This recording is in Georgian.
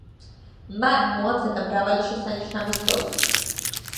მან მოამზადა მრავალი შესანიშნავი სოლისტი.